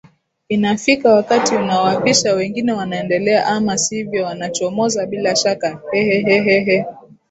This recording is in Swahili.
inafika wakati unawapisha wengine wanaendelea ama sivyo wanachomoza bila shaka hehehehe